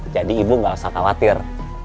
jadi ibu gak usah khawatir